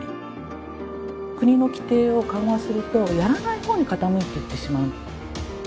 国の規定を緩和するとやらないほうに傾いていってしまう。